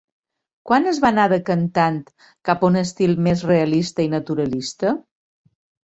Quan es va anar decantant cap a un estil més realista i naturalista?